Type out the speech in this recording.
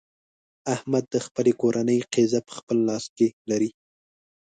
احمد د خپلې کورنۍ قېزه په خپل لاس کې لري.